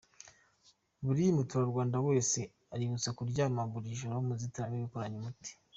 Buri muturandwanda wese aributswa kuryama buri joro mu nzitiramubu ikoranye umuti.